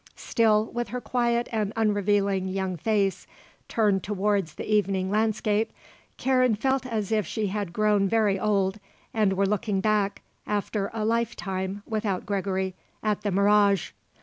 Still with her quiet and unrevealing young face turned towards the evening landscape, Karen felt as if she had grown very old and were looking back, after a life time without Gregory, at the mirage.